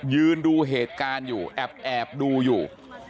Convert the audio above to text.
ยืนดูเหตุการณ์อยู่แอบดูอยู่